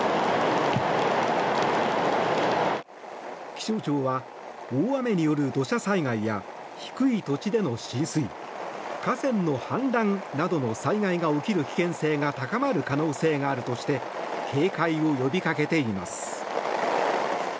気象庁は大雨による土砂災害や低い土地での浸水河川の氾濫などの災害が起きる危険性が高まる可能性があるとして警戒を呼びかけています。